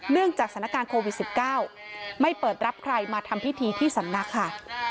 จากสถานการณ์โควิด๑๙ไม่เปิดรับใครมาทำพิธีที่สำนักค่ะ